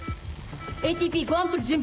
ＡＴＰ５アンプル準備！